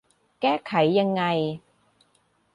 แก้ไขยังไง